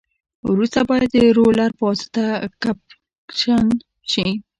وروسته باید د رولر په واسطه کمپکشن شي